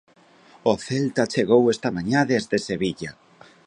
O Celta chegou esta mañá desde Sevilla.